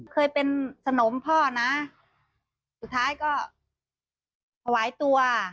เคยเป็นสนมพ่อนะสุดท้ายก็ถวายตัว